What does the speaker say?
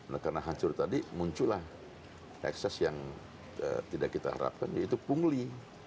nah karena hancur tadi muncullah ekses yang tidak kita harapkan yaitu pungli